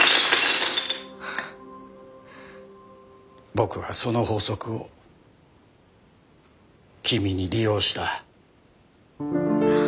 僕はその法則をきみに利用した。